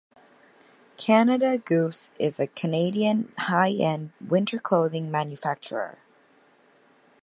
Canada Goose is a Canadian high-end winter clothing manufacturer.